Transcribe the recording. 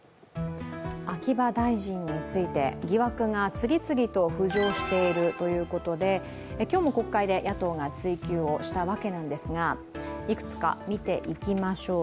秋葉大臣について、疑惑が次々と浮上しているということで今日も国会で野党が追及をしたわけですが、いくつか見ていきましょう。